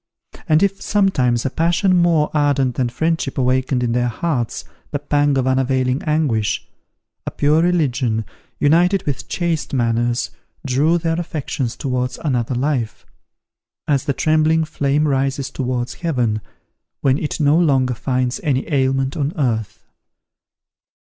And if sometimes a passion more ardent than friendship awakened in their hearts the pang of unavailing anguish, a pure religion, united with chaste manners, drew their affections towards another life: as the trembling flame rises towards heaven, when it no longer finds any ailment on earth.